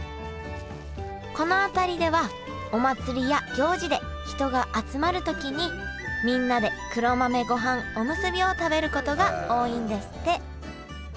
この辺りではお祭りや行事で人が集まる時にみんなで黒豆ごはんおむすびを食べることが多いんですって。